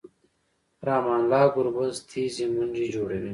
رحمن الله ګربز تېزې منډې جوړوي.